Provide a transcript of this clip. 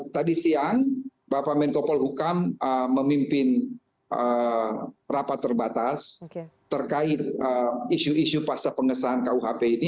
tadi siang bapak menko polhukam memimpin rapat terbatas terkait isu isu pasca pengesahan kuhp ini